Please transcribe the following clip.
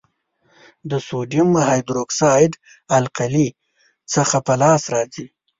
د سوډیم هایدرو اکسایډ القلي څخه په لاس راځي.